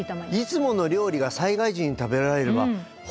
いつもの料理が災害時に食べられればホッとしますよね。